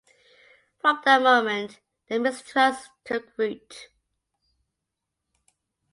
From that moment the mistrust took root.